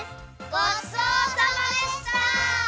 ごちそうさまでした！